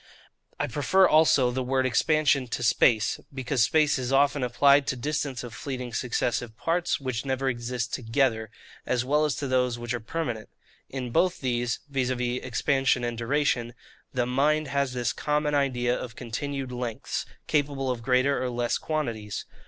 I prefer also the word expansion to space, because space is often applied to distance of fleeting successive parts, which never exist together, as well as to those which are permanent. In both these (viz. expansion and duration) the mind has this common idea of continued lengths, capable of greater or less quantities.